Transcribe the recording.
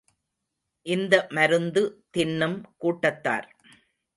இந்த மருந்து தின்னும் கூட்டத்தார்.